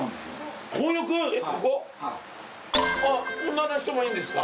女の人もいいんですか？